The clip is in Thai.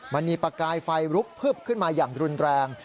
มันมีประกายไฟลุกพึบขึ้นมาอย่างรุนแรง